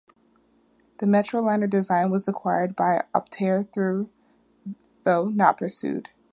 The Metroliner design was acquired by Optare though not pursued.